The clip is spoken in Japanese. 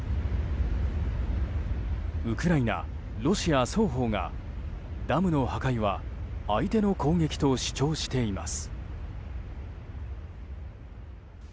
ウクライナ、ロシア双方がダムの破壊は相手の攻撃と主張しています。